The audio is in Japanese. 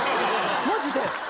マジで。